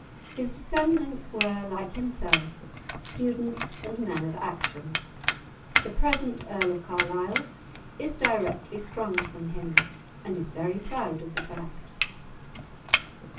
His descendants were, like himself, students and men of action; the present Earl of Carlisle is directly sprung from him, and is very proud of the fact.